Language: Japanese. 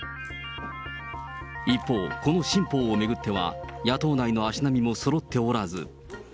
一方、この新法を巡っては、野党内の足並みもそろっておらず。